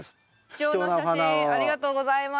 貴重な写真ありがとうございます。